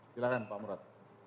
silakan pak murat